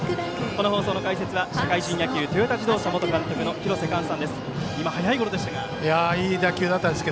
この放送の解説は社会人野球、トヨタ自動車元監督廣瀬寛さんです。